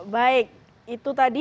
baik itu tadi